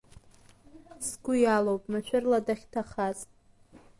Сгәы иалоуп машәырла дахьҭахаз.